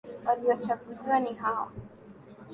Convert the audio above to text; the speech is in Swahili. Waliochaguliwa ni hawa.